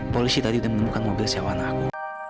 polisi tadi udah menemukan mobil siawan aku